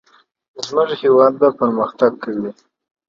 زموږ هيوادوال د پرمختګ له کاروان څخه لري پاته شوي.